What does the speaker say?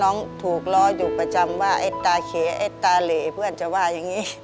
น้องถูกล้ออยู่ประจำว่าไอ้ตาเขไอ้ตาเหลเพื่อนจะว่าอย่างนี้